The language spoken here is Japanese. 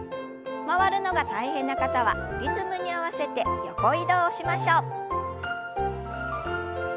回るのが大変な方はリズムに合わせて横移動をしましょう。